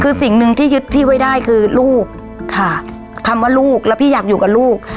คือสิ่งหนึ่งที่ยึดพี่ไว้ได้คือลูกค่ะคำว่าลูกแล้วพี่อยากอยู่กับลูก